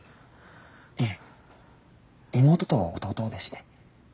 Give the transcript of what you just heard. いえ妹と弟でして。